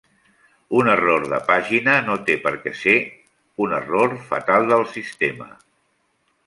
Un error de pàgina no té per què ser un error fatal del sistema.